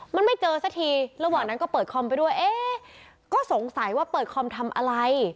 มันไม่เจอสักทีระหว่างนั้นก็เปิดคอมไปด้วยเอ๊ะก็สงสัยว่าเปิดคอมทำอะไร